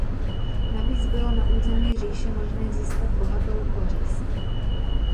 Navíc bylo na území říše možné získat bohatou kořist.